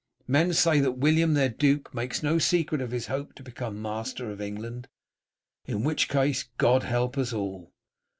Men say that William, their duke, makes no secret of his hope to become master of England, in which case God help us all.